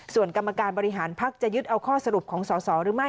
ส่วนกรรมการบริหารภักดิ์จะยึดเอาข้อสรุปของสอสอหรือไม่